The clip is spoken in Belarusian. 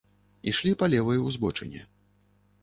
Ішлі па левай узбочыне.